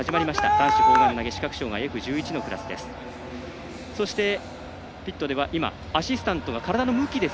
男子砲丸投げ視覚障がいＦ１１のクラスです。